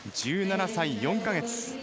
１７歳４カ月。